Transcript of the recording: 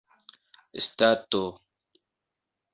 stato